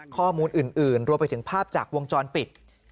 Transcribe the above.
ข้อมูลอื่นรวมไปถึงภาพจากวงจรปิด